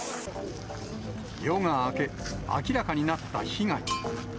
夜が明け、明らかになった被害。